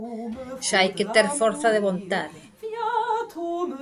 ¡Xa hai que ter forza de vontade!